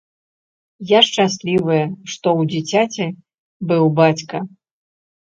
Я шчаслівая, што ў дзіцяці быў бацька.